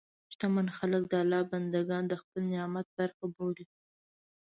شتمن خلک د الله بندهګان د خپل نعمت برخه بولي.